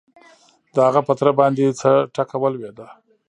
د هغه په تره باندې څه ټکه ولوېده؟